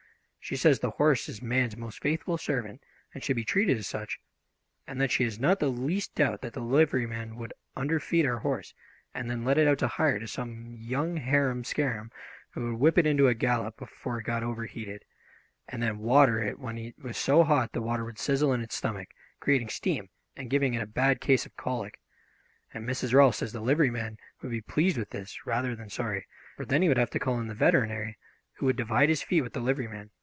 She says the horse is man's most faithful servant, and should be treated as such, and that she has not the least doubt that the liveryman would underfeed our horse, and then let it out to hire to some young harum scarum, who would whip it into a gallop until it got overheated, and then water it when it was so hot the water would sizzle in its stomach, creating steam and giving it a bad case of colic. And Mrs. Rolfs says the liveryman would be pleased with this, rather than sorry, for then he would have to call in the veterinary, who would divide his fee with the liveryman.